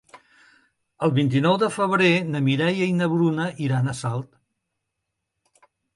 El vint-i-nou de febrer na Mireia i na Bruna iran a Salt.